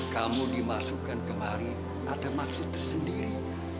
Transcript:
kamu dimasukkan kemari ada maksud tersendiri